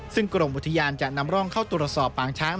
ซึ่งกรมอุทยานจะนำร่องเข้าตรวจสอบปางช้าง